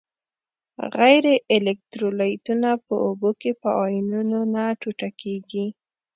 غیر الکترولیتونه په اوبو کې په آیونونو نه ټوټه کیږي.